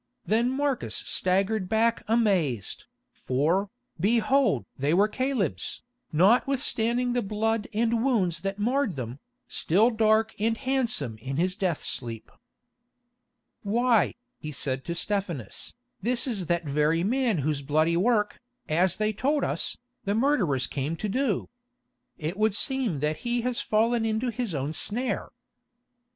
Then Marcus staggered back amazed, for, behold! they were Caleb's, notwithstanding the blood and wounds that marred them, still dark and handsome in his death sleep. "Why," he said to Stephanus, "this is that very man whose bloody work, as they told us, the murderers came to do. It would seem that he has fallen into his own snare."